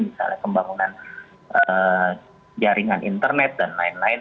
misalnya pembangunan jaringan internet dan lain lain